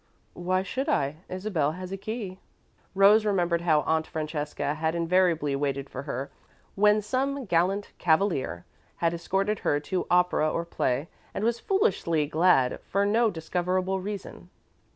"Why should I? Isabel has a key." Rose remembered how Aunt Francesca had invariably waited for her, when some gallant cavalier had escorted her to opera or play, and was foolishly glad, for no discoverable reason.